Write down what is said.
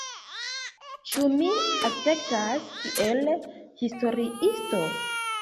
Ĉu mi aspektas kiel historiisto?